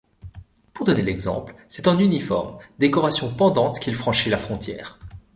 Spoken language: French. Pour donner l’exemple, c’est en uniforme, décorations pendantes qu’il franchit la frontière.